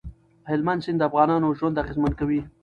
هلمند سیند د افغانانو ژوند اغېزمن کوي.